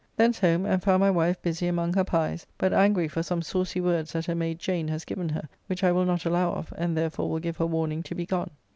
Thence home, and found my wife busy among her pies, but angry for some saucy words that her mayde Jane has given her, which I will not allow of, and therefore will give her warning to be gone.